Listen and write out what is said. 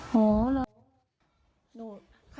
คุณครู